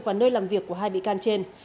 và nơi làm việc của hai bị can trên